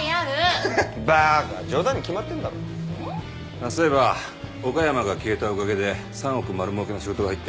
あそういえば岡山が消えたおかげで３億丸儲けの仕事が入ったよ。